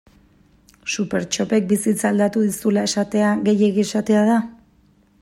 Supertxopek bizitza aldatu dizula esatea gehiegi esatea da?